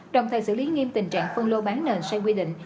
đồng thời xử lý nghiêm tình trạng phân lô bán nền sai quy định